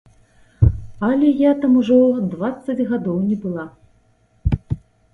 Але я там ужо дваццаць гадоў не была.